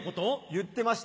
言ってましたよ。